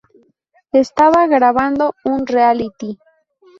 Estaba grabando un reality.